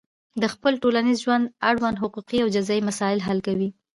د خپل ټولنیز ژوند اړوند حقوقي او جزایي مسایل حل کوي.